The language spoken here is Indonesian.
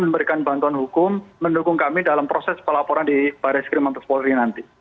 memberikan bantuan hukum mendukung kami dalam proses pelaporan di baris krim mabes polri nanti